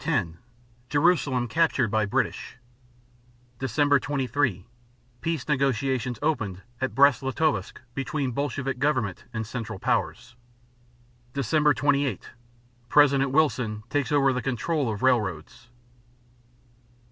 10 Jerusalem captured by British. Dec. 23 Peace negotiations opened at Brest Litovsk between Bolshevik government and Central Powers. _Dec. 28 President Wilson takes over the control of railroads.